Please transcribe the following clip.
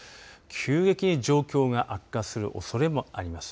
急激に状況が悪化するおそれもあります。